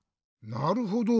なるほど。